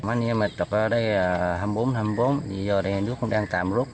mấy anh em trực ở đây hai mươi bốn hai mươi bốn giờ đây nước cũng đang tạm rút